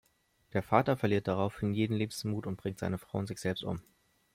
Der Vater verliert daraufhin jeden Lebensmut und bringt seine Frau und sich selbst um.